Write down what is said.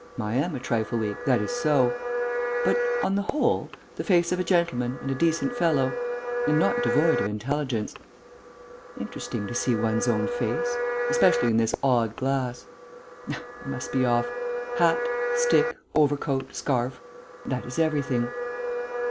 I am a trifle weak; that is so. But, on the whole, the face of a gentleman and a decent fellow. And not devoid of intelligence.... Interesting, to see one's own face. Especially in this odd glass. Now I must be off. Hat, stick, overcoat, scarf that is everything."